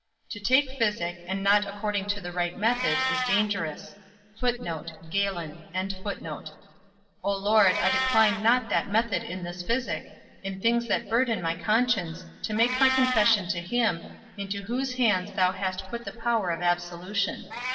To take physic, and not according to the right method, is dangerous. O Lord, I decline not that method in this physic, in things that burthen my conscience, to make my confession to him, into whose hands thou hast put the power of absolution.